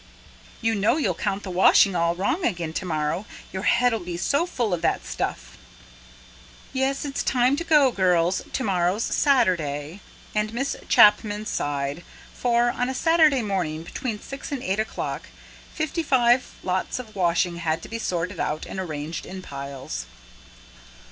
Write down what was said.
"You know you'll count the washing all wrong again to morrow, your head'll be so full of that stuff." "Yes, it's time to go, girls; to morrow's Saturday." And Miss Chapman sighed; for, on a Saturday morning between six and eight o'clock, fifty five lots of washing had to be sorted out and arranged in piles.